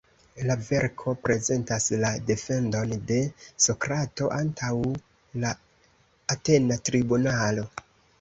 La verko prezentas la defendon de Sokrato antaŭ la atena tribunalo.